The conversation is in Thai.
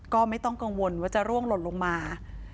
ก็ไม่ต้องกังวลว่าจะร่วงหล่นลงมา